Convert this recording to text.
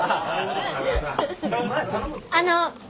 あの。